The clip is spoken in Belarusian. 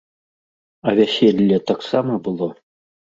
А вяселле таксама было?